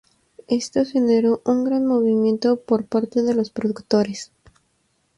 Esto generó un gran movimiento por parte de los productores.